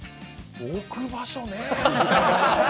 置く場所ねぇ。